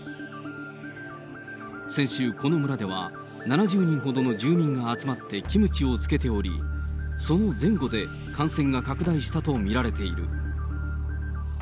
先週、この村では７０人ほどの住民が集まってキムチを漬けており、その前後で感染が拡大したと見られている。